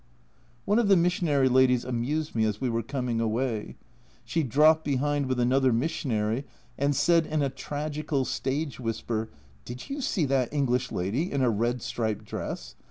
One of the missionary ladies amused me as we were coming away. She dropped behind with another missionary and said in a tragical stage whisper, " Did you see that English lady in a red striped dress?